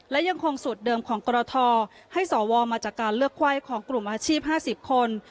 และยังคงสูตรเดิมของกรทให้สวมาจากการเลือกไขว้ของกลุ่มอาชีพ๕๐คน